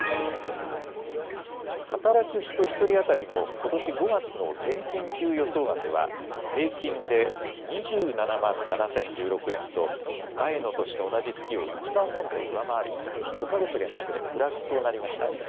働く人１人当たりのことし５月の現金給与総額は、平均で２７万７０１６円と、前の年の同じ月を１％上回り、５か月連続でプラスとなりました。